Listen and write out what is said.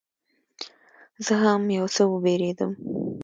زه هم یو څه وبېرېدم.